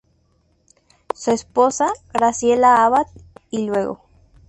Su esposa, Graciela Abad y luego.